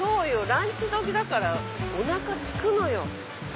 ランチ時だからおなかすくのよ。